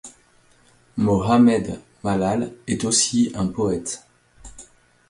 Mohamed Mallal est aussi un poète.